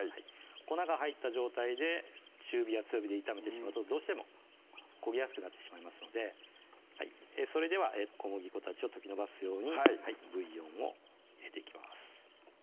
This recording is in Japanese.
粉が入った状態で中火や強火で炒めてしまうとどうしても焦げやすくなってしまいますのでそれでは小麦粉たちを溶きのばすようにブイヨンを入れていきます